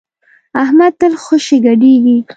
احمد تل خوشی ګډېږي.